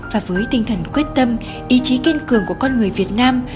và với tinh thần quyết tâm ý chí kiên cường của con người việt nam